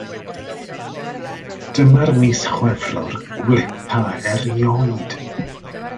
Dyma'r mis Chwefror gwlypa erioed.